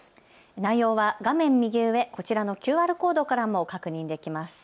内容は画面右上、こちらのＱＲコードからも確認できます。